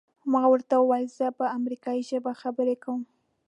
ما ورته وویل زه په امریکایي ژبه خبرې کوم.